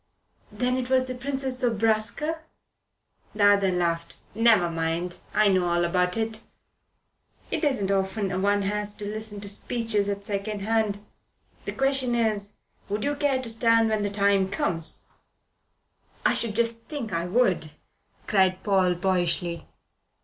"Then it was the Princess Zobraska." The other laughed. "Never mind. I know all about it. It isn't often one has to listen to speeches at second hand. The question is: Would you care to stand when the time comes?" "I should just think I would," cried Paul boyishly.